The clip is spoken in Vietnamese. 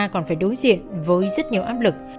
còn phải đối diện với rất nhiều áp lực